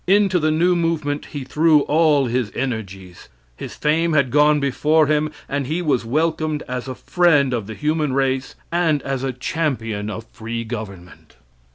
Into the new movement he threw all his energies. His fame had gone before him, and he was welcomed as a friend of the human race and as a champion of free government.